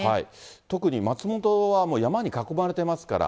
特に松本は山に囲まれてますから。